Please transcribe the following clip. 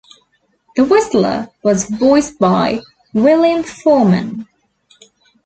The Whistler was voiced by William Forman.